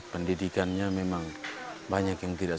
pendidikannya memang banyak yang tidak